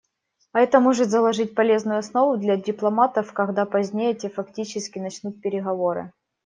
А это может заложить полезную основу для дипломатов, когда позднее те фактически начнут переговоры.